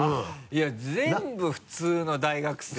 いや全部普通の大学生。